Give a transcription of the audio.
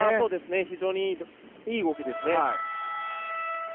非常にいい動きですね。